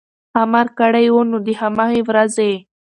امر کړی و، نو د هماغې ورځې